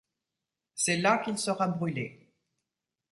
C'est là qu'il sera brûlé.